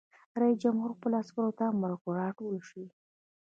رئیس جمهور خپلو عسکرو ته امر وکړ؛ راټول شئ!